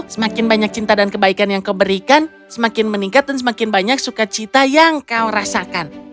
semakin banyak cinta dan kebaikan yang kau berikan semakin meningkat dan semakin banyak sukacita yang kau rasakan